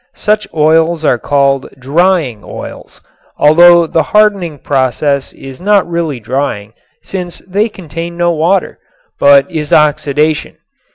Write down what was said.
Such oils are called "drying" oils, although the hardening process is not really drying, since they contain no water, but is oxidation.